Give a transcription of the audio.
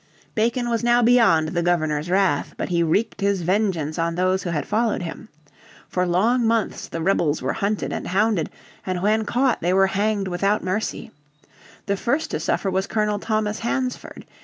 Bacon was now beyond the Governor's wrath, but he wreaked his vengeance on those who had followed him. For long months the rebels were hunted and hounded, and when caught they were hanged without mercy. The first to suffer was Colonel Thomas Hansford.